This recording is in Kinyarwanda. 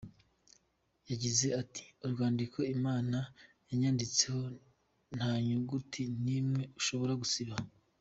Yagize ati :« Urwandiko Imana yanyanditseho, ntanyuguti n’imwe ushobora gusibaho.